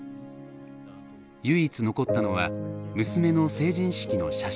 唯一残ったのは娘の成人式の写真だけでした。